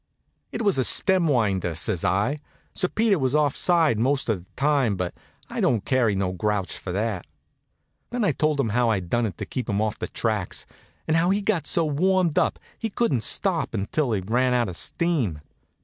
"It was a stem winder," says I. "Sir Peter was off side most of the time; but I don't carry no grouch for that." Then I told 'em how I'd done it to keep him off the tracks, and how he got so warmed up he couldn't stop until he ran out of steam.